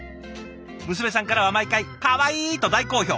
娘さんからは毎回「かわいい！」と大好評。